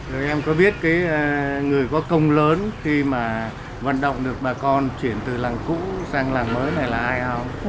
rồi em có biết cái người có công lớn khi mà vận động được bà con chuyển từ làng cũ sang làng mới này là ai